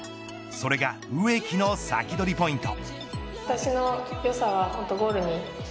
それが植木のサキドリポイント。